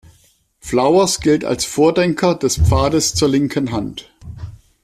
Flowers gilt als Vordenker des Pfades zur linken Hand.